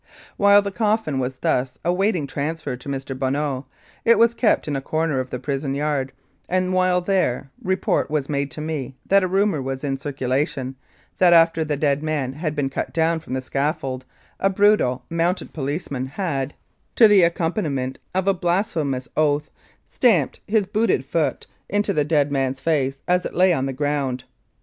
While the coffin was thus awaiting transfer to Mr. Bonneau, it was kept in a corner of the prison yard, and, while there, report was made to me that a rumour was in circulation that after the dead man had been cut down from the scaffold, a brutal Mounted Policeman had, to 231 Mounted Police Life in Canada the accompaniment of a blasphemous oath, stamped his booted foot into the dead man's face as it lay on the ground.